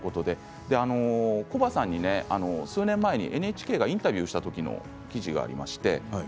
コバさんに数年前にＮＨＫがインタビューした時の記事があります。